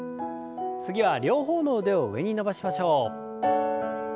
次は両方の腕を上に伸ばしましょう。